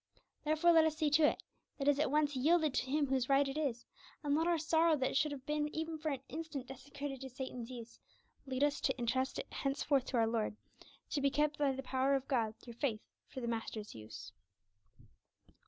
Therefore let us see to it, that it is at once yielded to Him whose right it is; and let our sorrow that it should have been even for an instant desecrated to Satan's use, lead us to entrust it henceforth to our Lord, to be kept by the power of God through faith 'for the Master's use.'